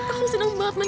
aku senang banget man